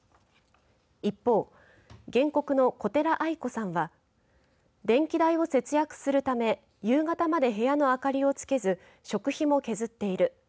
一方、原告の小寺アイ子さんは電気代を節約するため夕方まで部屋の明かりをつけず食費も削っている。